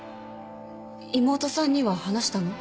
妹さんには話したの？